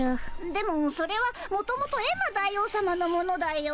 でもそれはもともとエンマ大王さまのものだよ？